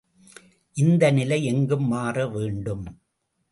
இந்த நிலை எங்கும் மாற வேண்டும்.